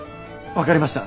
わかりました。